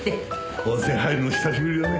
温泉入るの久しぶりだね。